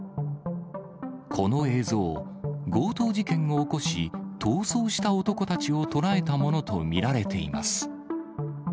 この映像、強盗事件を起こし、逃走した男たちを捉えたものと見られています。